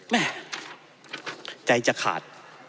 แม่ใจจะขาด